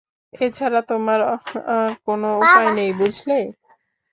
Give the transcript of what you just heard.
এছাড়া তোমার অন্য কোনও উপায় নেই, বুঝলে?